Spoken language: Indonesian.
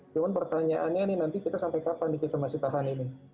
cuma pertanyaannya nih nanti kita sampai kapan nih kita masih tahan ini